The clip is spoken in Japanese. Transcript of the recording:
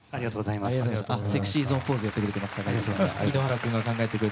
ＳｅｘｙＺｏｎｅポーズをやってくれてます。